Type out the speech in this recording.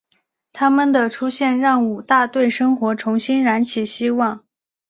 她们的出现让武大对生活重新燃起希望。